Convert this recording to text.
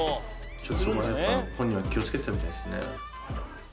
ちょっとそこら辺本人は気をつけてたみたいですね。